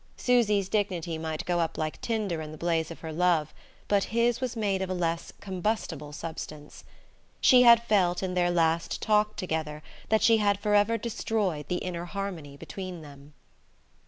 Susy's dignity might go up like tinder in the blaze of her love; but his was made of a less combustible substance. She had felt, in their last talk together, that she had forever destroyed the inner harmony between them.